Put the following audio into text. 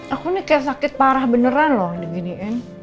aku nih kayak sakit parah beneran loh diginiin